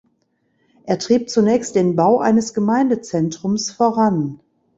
Er trieb zunächst den Bau eines Gemeindezentrums voran.